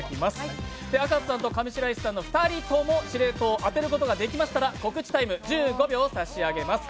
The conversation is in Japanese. お２人とも司令塔を当てることができましたら告知タイム１５秒差し上げます。